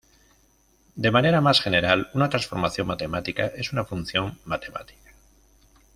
De manera más general una transformación matemática es una función matemática.